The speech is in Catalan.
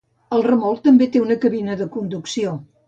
El remolc també té una cabina de conducció.